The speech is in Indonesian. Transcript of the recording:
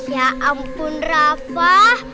ya ampun rafa